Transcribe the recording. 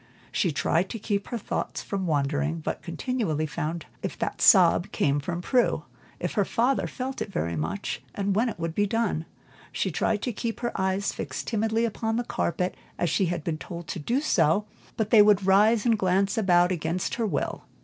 She tried to keep her thoughts from wandering, but continually found herself wondering if that sob came from Prue, if her father felt it very much, and when it would be done. She tried to keep her eyes fixed timidly upon the carpet as she had been told to do, but they would rise and glance about against her will.